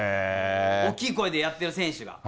大きい声でやってる選手が。